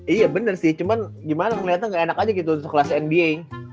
iya bener sih cuman gimana keliatan gak enak aja gitu sekelas nba